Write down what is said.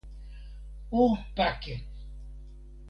o pake!